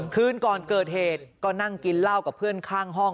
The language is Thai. คืนก่อนเกิดเหตุก็นั่งกินเหล้ากับเพื่อนข้างห้อง